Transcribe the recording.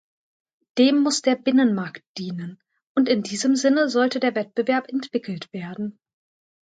Dem muss der Binnenmarkt dienen, und in diesem Sinne sollte der Wettbewerb entwickelt werden.